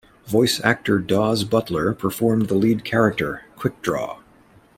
Voice actor Daws Butler performed the lead character, Quick Draw.